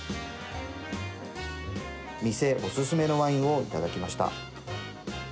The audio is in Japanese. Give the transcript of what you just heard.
店おすすめのワインを頂きました。